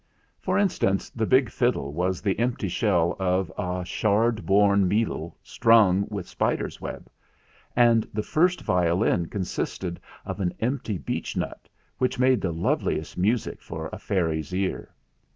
For instance, the big fiddle was the empty shell of a shard borne beetle strung with spiders' web; and the first violin consisted of an empty beech nut, which i 90 THE FLINT HEART made the loveliest music for a fairy's ear.